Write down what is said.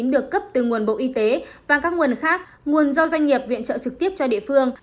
được cấp từ nguồn bộ y tế và các nguồn khác nguồn do doanh nghiệp viện trợ trực tiếp cho địa phương